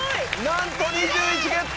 なんと２１ゲット！